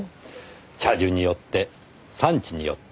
茶樹によって産地によって。